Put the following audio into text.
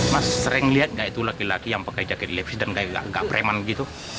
mas sering lihat gak itu laki laki yang pakai jaket lepsi dan gak breman gitu